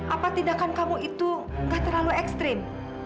apa tidak kan kamu itu gak terlalu ekstrim